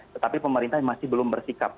tetapi pemerintah masih belum bersikap